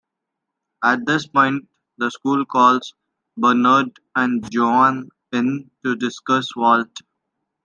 At this point, the school calls Bernard and Joan in to discuss Walt.